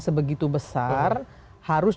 sebegitu besar harus